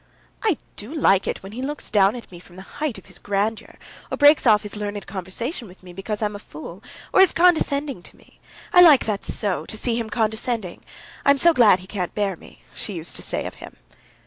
"I do like it when he looks down at me from the height of his grandeur, or breaks off his learned conversation with me because I'm a fool, or is condescending to me. I like that so; to see him condescending! I am so glad he can't bear me," she used to say of him.